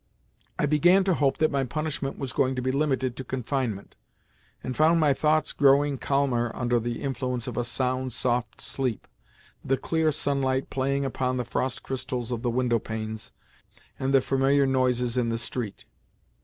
I began to hope that my punishment was going to be limited to confinement, and found my thoughts growing calmer under the influence of a sound, soft sleep, the clear sunlight playing upon the frost crystals of the windowpanes, and the familiar noises in the street.